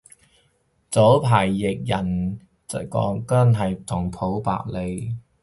早排譯人講真鐸同白普理